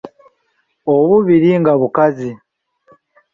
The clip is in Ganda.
Obubiri nga bukazi.